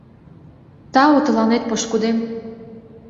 Тау тыланет, пошкудем!